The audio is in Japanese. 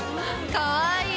かわいい。